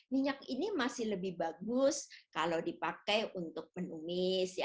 minyak ini masih lebih bagus kalau dipakai untuk menumis